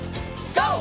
ＧＯ！